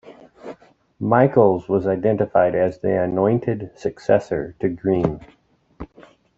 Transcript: Michaels was identified as the anointed successor to Greene.